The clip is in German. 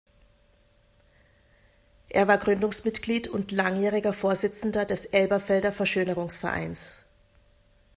Er war Gründungsmitglied und langjähriger Vorsitzender des "Elberfelder Verschönerungsvereins".